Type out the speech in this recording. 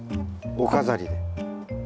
お飾りで。